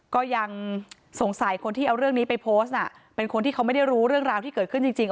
ก็ยังสงสัยคนที่เอาเรื่องนี้ไปโพสต์น่ะเป็นคนที่เขาไม่ได้รู้เรื่องราวที่เกิดขึ้นจริง